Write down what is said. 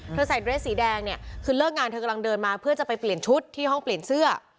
ใส่เดรสสีแดงเนี่ยคือเลิกงานเธอกำลังเดินมาเพื่อจะไปเปลี่ยนชุดที่ห้องเปลี่ยนเสื้อ